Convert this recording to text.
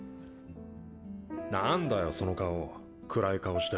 何だよその顔暗い顔して。